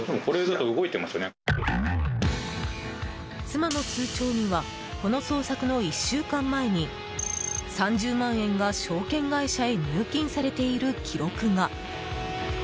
妻の通帳にはこの捜索の１週間前に３０万円が証券会社へ入金されている記録が。